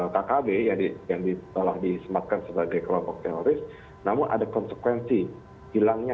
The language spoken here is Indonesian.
kkb yang di yang di telah disematkan sebagai kelompok teroris namun ada konsekuensi hilangnya